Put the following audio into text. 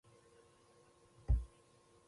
په حیوان په ژوند کې د فرعي سیسټمونو نقش وڅېړئ.